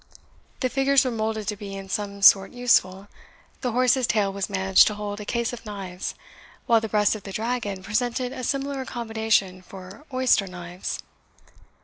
The figures were moulded to be in some sort useful. The horse's tail was managed to hold a case of knives, while the breast of the dragon presented a similar accommodation for oyster knives.